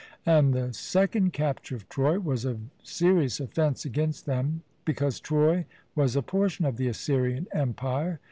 And the second capture of Troy was a serious offence against them, because Troy was a portion of the Assyrian Empire.